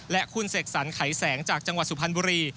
และคุณเสกสรรไขแสงจากจังหวัดสุพรรณบุรี